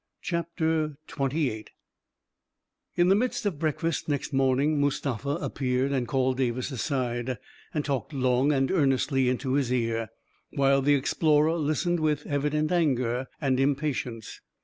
CHAPTER XXVIII In the midst of breakfast, next morning, Mus tafa appeared and called Davis aside, and talked long and earnestly into his ear, while the explorer listened with evident anger and impatience.